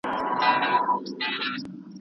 او یا هم زموږ تاریخ او ادبیاتو ته څنګه دننه سوې.